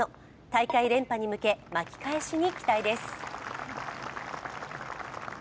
大会連覇に向け、巻き返しに期待です。